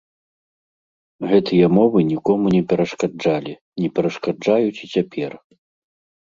Гэтыя мовы нікому не перашкаджалі, не перашкаджаюць і цяпер.